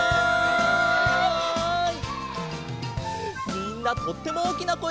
みんなとってもおおきなこえだったね。